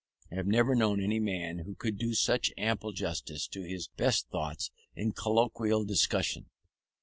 I have never known any man who could do such ample justice to his best thoughts in colloquial discussion.